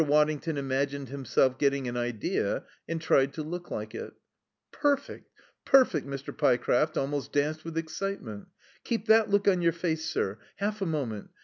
Waddington imagined himself getting an idea and tried to look like it. "Perfect perfect." Mr. Pyecraft almost danced with excitement. "Keep that look on your face, sir, half a moment....